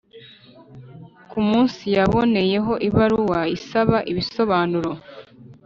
ku munsi yaboneyeho ibaruwa isaba ibisobanuro